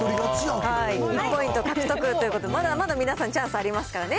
１ポイント獲得ということで、まだまだ皆さん、チャンスありますからね。